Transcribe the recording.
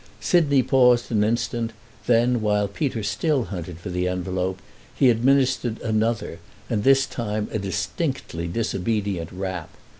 Sidney paused an instant; then, while Peter still hunted for the envelope, he administered another, and this time a distinctly disobedient, rap.